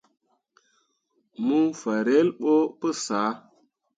Ŋmorŋ fan relbo pu sãã.